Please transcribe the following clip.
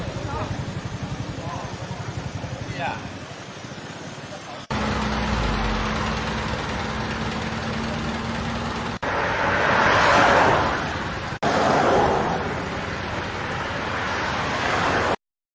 บอกแล้วร้องม้านึกออกแล้ว